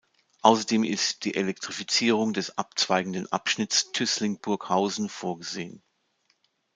Außerdem ist die Elektrifizierung des abzweigenden Abschnitts Tüßling–Burghausen vorgesehen.